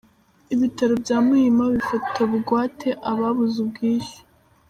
Ibitaro bya Muhima bifata bugwate ababuze ubwishyu.